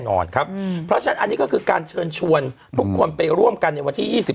นอนครับเพราะฉะนั้นอันนี้ก็คือการเชิญชวนมือมไปร่วมกันในที่๒๑